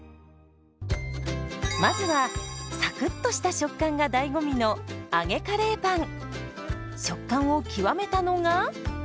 まずはサクッとした食感が醍醐味の食感を極めたのが。